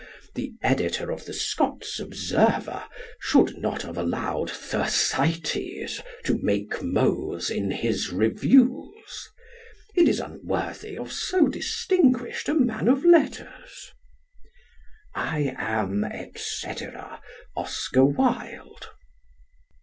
The editor of the Scots Observer should not have allowed Thersites to make mows in his reviews. It is unworthy of so distinguished a man of letters. I am, etc., OSCAR WILDE.